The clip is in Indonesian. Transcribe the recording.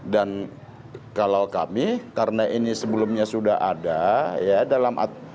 dan kalau kami karena ini sebelumnya sudah ada ya dalam